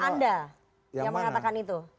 anda yang mengatakan itu